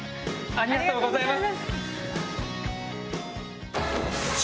ありがとうございます。